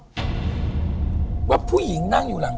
ถูกต้องไหมครับถูกต้องไหมครับ